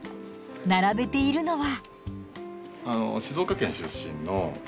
並べているのは。